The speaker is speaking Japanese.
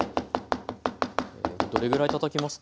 どれぐらいたたきますか？